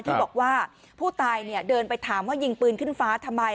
ที่บอกว่าผู้ตายเนี่ยเดินไปถามว่ายิงปืนขึ้นฟ้าทำไม